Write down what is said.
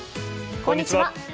こんにちは。